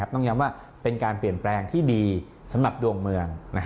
ต้องย้ำว่าเป็นการเปลี่ยนแปลงที่ดีสำหรับดวงเมือง